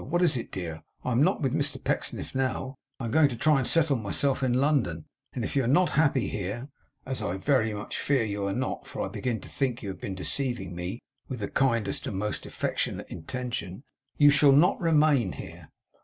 What is it, dear? I'm not with Mr Pecksniff now. I am going to try and settle myself in London; and if you are not happy here (as I very much fear you are not, for I begin to think you have been deceiving me with the kindest and most affectionate intention) you shall not remain here.